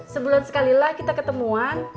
sebulan sekalilah kita ketemuan